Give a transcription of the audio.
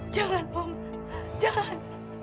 jangan om jangan